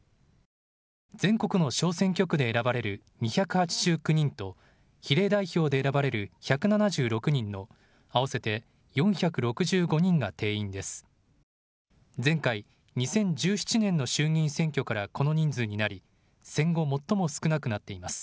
全国の小選挙区で選ばれる２８９人と比例代表で選ばれる１７６人の合わせて４６５人が定員です。